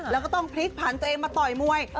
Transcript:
แล้วก็ต้องพลิกผันตัวเองมาต่อยมวย